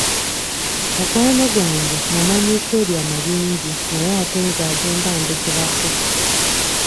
Mukwano gwange mmumanyiiko ebyama bingi naye ate nze agenda anjogerako.